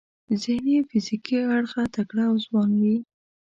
ذهني او فزیکي اړخه تکړه او ځوان وي.